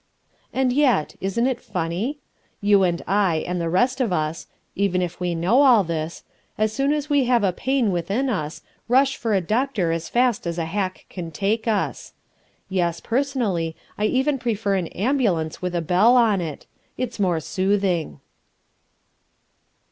And yet, isn't it funny? You and I and the rest of us even if we know all this as soon as we have a pain within us, rush for a doctor as fast as a hack can take us. Yes, personally, I even prefer an ambulance with a bell on it. It's more soothing.